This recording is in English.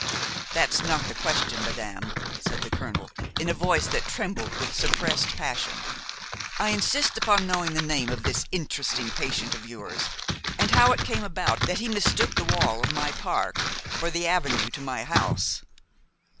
"That's not the question, madame," said the colonel, in a voice that trembled with suppressed passion; "I insist upon knowing the name of this interesting patient of yours, and how it came about that he mistook the wall of my park for the avenue to my house."